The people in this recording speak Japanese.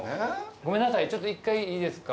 ごめんなさいちょっと一回いいですか？